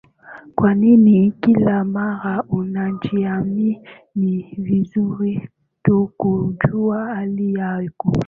kwa nini kila mara unajiami ni vizuri tu kujua hali yako